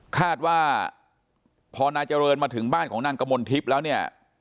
คาดว่าพอนายเจริญมาถึงบ้านของนางกมลทิพย์แล้วเนี่ย